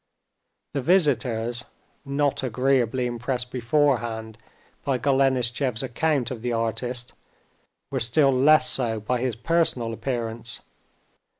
The visitors, not agreeably impressed beforehand by Golenishtchev's account of the artist, were still less so by his personal appearance.